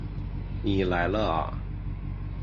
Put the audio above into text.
你来了啊